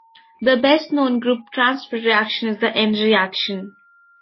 The best known group transfer reaction is the ene reaction.